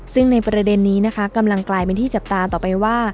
ซึ่งในประเด็นนี้นะคะกำลังกลายเป็นที่จับตาต่อไปว่า